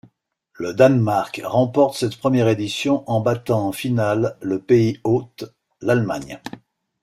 Le Danemark remporte cette première édition en battant en finale le pays hôte, l'Allemagne.